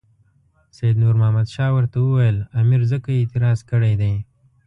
سید نور محمد شاه ورته وویل امیر ځکه اعتراض کړی دی.